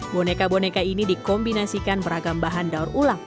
boneka boneka ini dikombinasikan beragam bahan daur ulang